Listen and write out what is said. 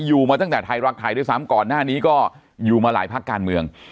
อยู่มาตั้งแต่ไทยรักไทยด้วยซ้ำก่อนหน้านี้ก็อยู่มาหลายภาคการเมือง